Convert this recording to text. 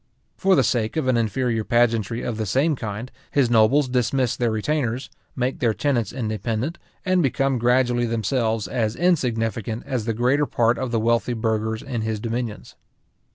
For the sake of an inferior pageantry of the same kind, his nobles dismiss their retainers, make their tenants independent, and become gradually themselves as insignificant as the greater part of the wealthy burghers in his dominions.